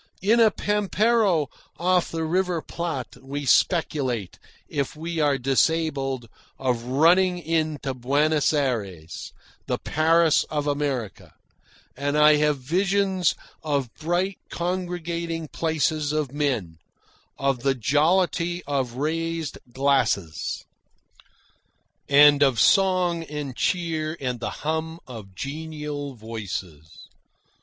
In a pampero off the River Plate we speculate, if we are disabled, of running in to Buenos Ayres, the "Paris of America," and I have visions of bright congregating places of men, of the jollity of raised glasses, and of song and cheer and the hum of genial voices.